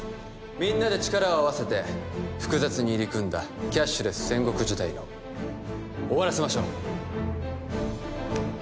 みんなで力を合わせて複雑に入り組んだキャッシュレス戦国時代を終わらせましょう！